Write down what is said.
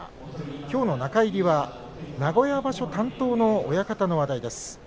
きょうの中入りは名古屋場所担当の親方の話題です。